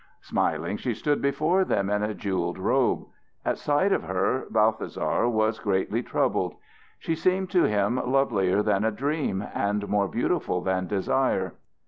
Smiling, she stood before them in a jewelled robe. At sight of her Balthasar was greatly troubled. She seemed to him lovelier than a dream and more beautiful than desire.